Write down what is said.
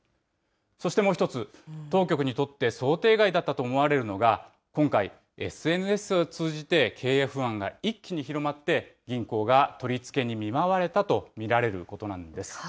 そしてもう１つ、当局にとって想定外だったと思われるのが、今回、ＳＮＳを通じて経営不安が一気に広まって、銀行が取り付けに見舞われたとみられることなんです。